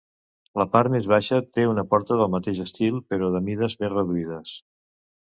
La part més baixa té una porta del mateix estil, però de mides més reduïdes.